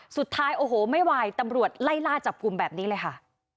สุดท้ายโอ้โหไม่ไหวตำรวจไล่ล่าจับกลุ่มแบบนี้เลยค่ะ